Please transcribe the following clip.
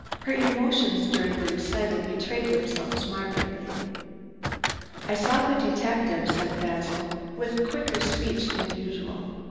Her emotions during the recital betrayed themselves markedly. "I saw the detective," said Basil, with quicker speech than usual.